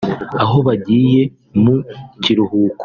aho bagiye mu kirihuko